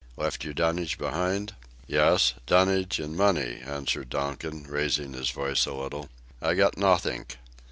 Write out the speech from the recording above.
"Left your dunnage behind?" "Yes, dunnage and money," answered Donkin, raising his voice a little; "I got nothink.